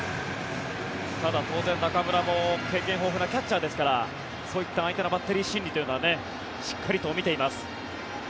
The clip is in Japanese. ただ、当然、中村も経験豊富なキャッチャーですからそういう相手のバッテリー心理はしっかりとみています。